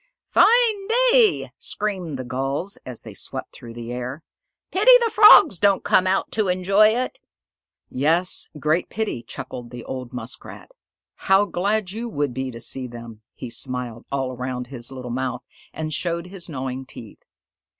"Fine day!" screamed the Gulls, as they swept through the air. "Pity the Frogs don't come out to enjoy it!" "Yes, great pity," chuckled the old Muskrat. "How glad you would be to see them!" He smiled all around his little mouth and showed his gnawing teeth.